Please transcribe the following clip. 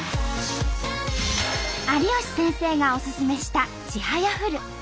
有吉先生がおすすめした「ちはやふる」。